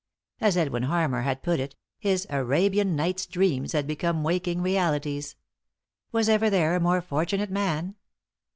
As Edwin Harmar had put it, his " Arabian Nights' " dreams had become waking realities. Was ever there a more fortunate man